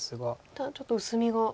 ただちょっと薄みが。